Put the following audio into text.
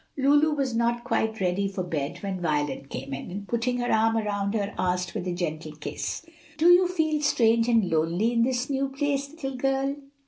Lulu was not quite ready for bed when Violet came in, and putting her arm around her, asked, with a gentle kiss, "Do you feel strange and lonely in this new place, little girl?"